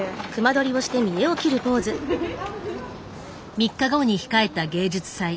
３日後に控えた芸術祭。